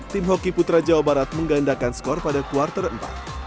tim hoki putri jawa barat menggandakan skor pada kuarter empat